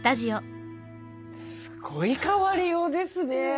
すごい変わりようですね。